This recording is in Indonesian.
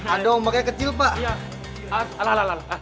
aduh ombaknya kecil pak